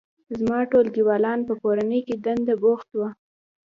زما ټولګیوالان په کورنۍ دنده بوخت دي